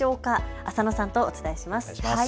浅野さんとお伝えします。